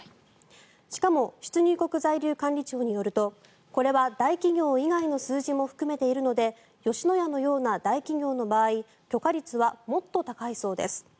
しかも出入国在留管理庁によるとこれは大企業以外の数字も含めているので吉野家のような大企業の場合許可率はもっと高いそうです。